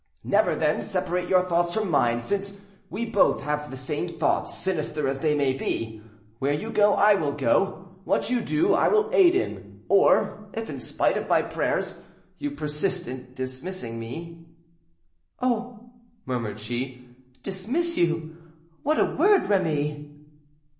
Never, then, separate your thoughts from mine, since we both have the same thoughts, sinister as they may be. Where you go, I will go; what you do I will aid in; or if, in spite of my prayers, you persist in dismissing me—" "Oh!" murmured she, "dismiss you! What a word, Remy!"